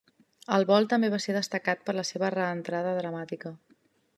El vol també va ser destacat per la seva reentrada dramàtica.